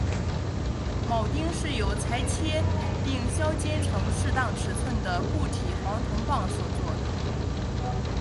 铆钉是由裁切并削尖成适当尺寸的固体黄铜棒所做。